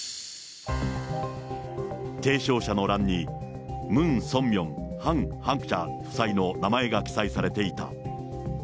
提唱者の欄にムン・ソンミョン、ハン・ハクチャ夫妻の名前が記載されていた。